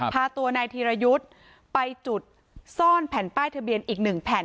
พาตัวนายธีรยุทธ์ไปจุดซ่อนแผ่นป้ายทะเบียนอีกหนึ่งแผ่น